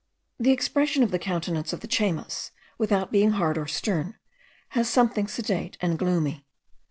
The expression of the countenance of the Chaymas, without being hard or stern, has something sedate and gloomy.